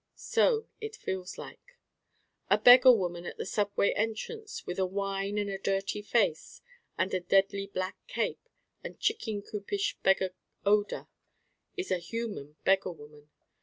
So it feels like. A beggar woman at a subway entrance with a whine and a dirty face and the deadly black cape and chicken coopish beggar odor is a human beggar woman.